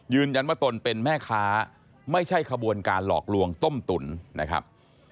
ตนเป็นแม่ค้าไม่ใช่ขบวนการหลอกลวงต้มตุ๋นนะครับ